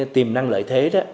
tìm năng lợi thế